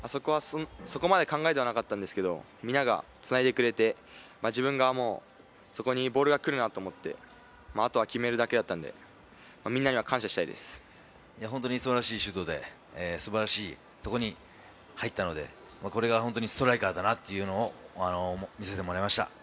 そこまで考えてはいなかったんですが、みんながつないでくれて、自分があそこにボールが来るなと思って、あとは決めるだけだったので、本当に素晴らしいシュートで、素晴らしいところに入ったので、これがホントにストライカーだなというのを見せてもらいました。